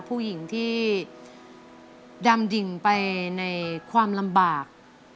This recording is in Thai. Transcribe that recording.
ผู้หญิงที่ดำดิ่งไปในความลำบาก